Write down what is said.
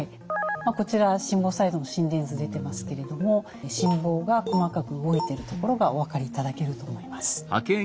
こちら心房細動の心電図出てますけれども心房が細かく動いてるところがお分かりいただけると思います。